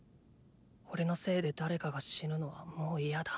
俺のせいで誰かが死ぬのはもういやだ。